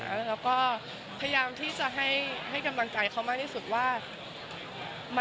แล้วก็พยายามที่จะให้กำลังใจเขามากที่สุดว่า